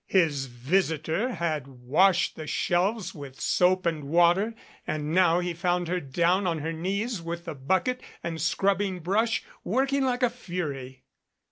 47 MADCAP His visitor had washed the shelves with soap and water, and now he found her down on her knees with the bucket and scrubbing brush working like a fury.